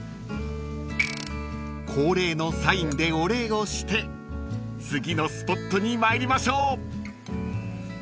［恒例のサインでお礼をして次のスポットに参りましょう］